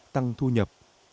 tăng thu nhập